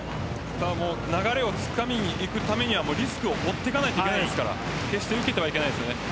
流れをつかみにいくためにはリスクを負っていかないといけないですから決して受けてはいけないです。